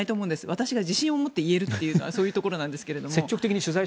私が自信を持っているというのはそういうところなんですけれども。